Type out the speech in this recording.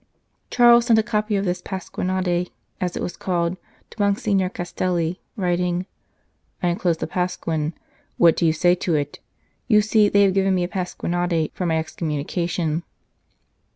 Charles sent a copy of this pasquinade, as it was called, to Monsignor Castelli, writing :" I enclose the Pasquin : what do you say to it ? You see they have given me a pasquinade for my excommunication."